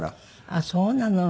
あっそうなの。